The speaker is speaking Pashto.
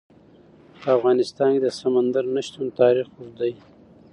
په افغانستان کې د سمندر نه شتون تاریخ اوږد دی.